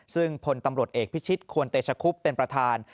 ซึ่งพลตำรวจเอกพิชิตควรเตชคุบเป็นประธาน